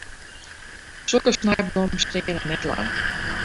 Sokke snijblommen steane net lang.